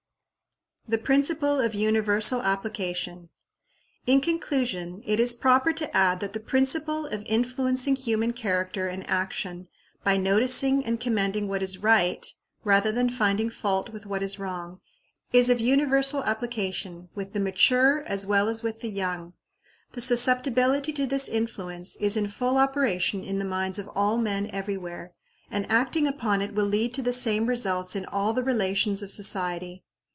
The Principle of Universal Application. In conclusion, it is proper to add that the principle of influencing human character and action by noticing and commending what is right, rather than finding fault with what is wrong, is of universal application, with the mature as well as with the young. The susceptibility to this influence is in full operation in the minds of all men everywhere, and acting upon it will lead to the same results in all the relations of society.